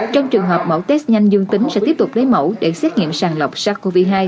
trong trường hợp mẫu test nhanh dương tính sẽ tiếp tục lấy mẫu để xét nghiệm sàng lọc sars cov hai